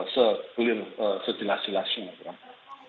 sebulin sedilasi lasinya gitu ya